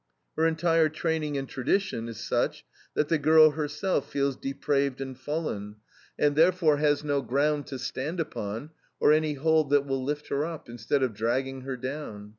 Her entire training and tradition is such that the girl herself feels depraved and fallen, and therefore has no ground to stand upon, or any hold that will lift her up, instead of dragging her down.